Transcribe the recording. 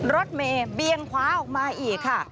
รถเมย์เบียงขวาออกมาอีกค่ะ